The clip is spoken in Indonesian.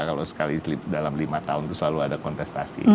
kalau sekali dalam lima tahun itu selalu ada kontestasi